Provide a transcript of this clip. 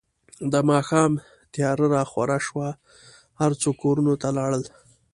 د ماښام تیاره راخوره شوه، هر څوک کورونو ته لاړل.